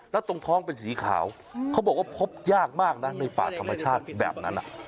แล้วตรงท้องเป็นสีขาวเขาบอกว่าพบยากมากนะในป่าธรรมชาติแบบนั้น